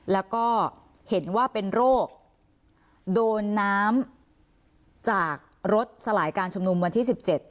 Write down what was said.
แล้วก็เห็นว่าเป็นโรคโดนน้ำจากรถสลายการชุมนุมวันที่๑๗